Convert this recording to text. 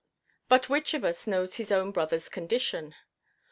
But which of us knows his own brotherʼs condition?